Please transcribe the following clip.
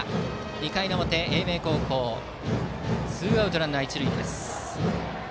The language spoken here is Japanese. ２回の表、英明高校ツーアウトランナー、一塁です。